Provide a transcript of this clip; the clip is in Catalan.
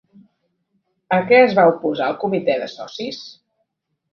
A què es va oposar el comitè de socis?